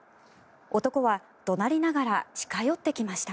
男は怒鳴りながら近寄ってきました。